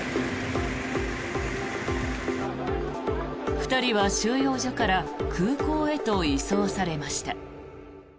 ２人は収容所から空港へと移送されました。